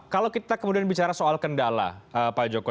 kalau kita kemudian bicara soal kendala pak joko